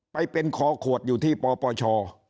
ไปเป็นคอขวดอยู่ที่ปปช